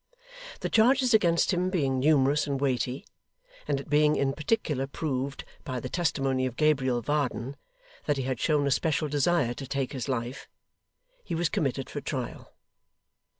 The charges against him being numerous and weighty, and it being in particular proved, by the testimony of Gabriel Varden, that he had shown a special desire to take his life, he was committed for trial.